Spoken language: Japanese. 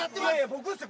僕ですよ